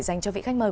dành cho vị khách mời